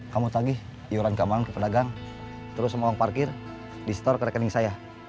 kamu tagih iuran keamanan ke pedagang terus mau bang parkir di store kerekening saya